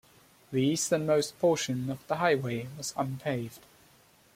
The easternmost portion of the highway was unpaved.